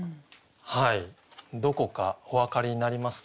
どこかお分かりになりますか？